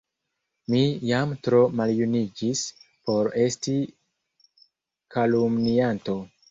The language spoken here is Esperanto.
mi jam tro maljuniĝis por esti kalumnianto!